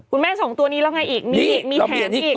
คุณแม่สองตัวนี้แล้วไงอีกมีแถมอีก